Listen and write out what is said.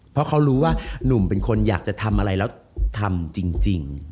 เพราะเขารู้ว่าหนุ่มเป็นคนอยากจะทำอะไรแล้วทำจริง